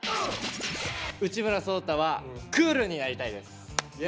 内村颯太はクールになりたいです！